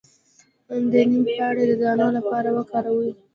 د نیم پاڼې د دانو لپاره وکاروئ